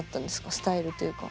スタイルというか。